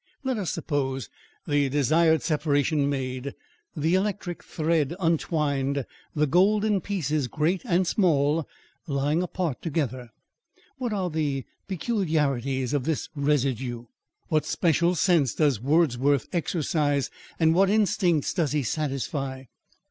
Let us suppose the desired separation made, the electric thread untwined, the golden pieces, great and small, lying apart together.* What are the peculiarities of this residue? What special sense does Wordsworth exercise, and what instincts does he satisfy?